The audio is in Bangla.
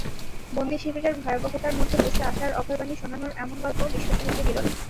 বন্দিশিবিরের ভয়াবহতার মধ্যে বসে আশার অভয়বাণী শোনানোর এমন গল্প বিশ্বসাহিত্যে বিরল।